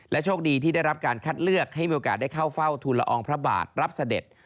โชคดีที่ได้รับการคัดเลือกให้มีโอกาสได้เข้าเฝ้าทุนละอองพระบาทรับเสด็จ